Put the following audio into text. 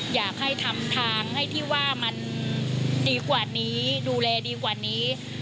อยากให้ทำทางให้ที่ว่ามันดูแลดีกว่านี้